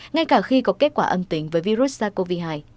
ngay cả khi có kết quả âm tính với virus sars cov hai